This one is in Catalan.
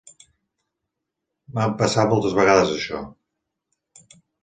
M'ha passat moltes vegades, això.